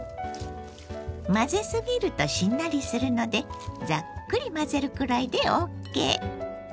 混ぜすぎるとしんなりするのでザックリ混ぜるくらいでＯＫ。